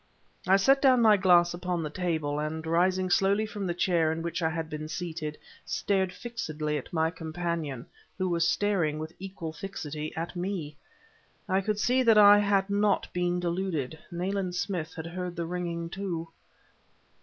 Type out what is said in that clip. I set down my glass upon the table, and rising slowly from the chair in which I had been seated, stared fixedly at my companion, who was staring with equal fixity at me. I could see that I had not been deluded; Nayland Smith had heard the ringing, too.